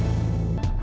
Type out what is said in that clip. kau mau apa